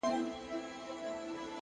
فکر کول د ذهن ورزش دی.!